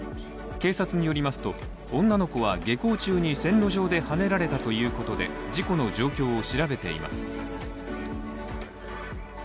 警察によりますと女の子は下校中に線路上ではねられたということで事故の状況を調べています。